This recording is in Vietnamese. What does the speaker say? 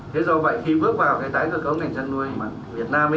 thế do vậy khi bước vào cái tái cơ cấu ngành chăn nuôi việt nam